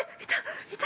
◆いた！